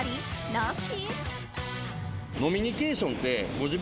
なし？